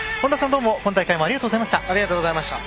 どうも今大会もありがとうございました。